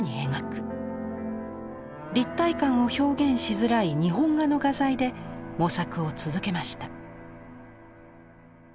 立体感を表現しづらい日本画の画材で模索を続けました。